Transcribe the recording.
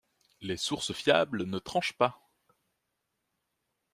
Les sources fiables ne tranchent pas.